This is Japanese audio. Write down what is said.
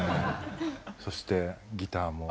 そしてギターも。